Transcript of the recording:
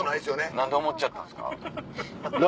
何で思っちゃったんですか？